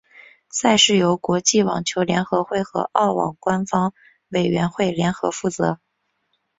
赛事由国际网球联合会和澳网官方委员会联合负责。